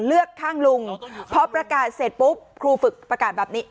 เลือกข้างลุงพอประกาศเสร็จปุ๊บครูฝึกประกาศแบบนี้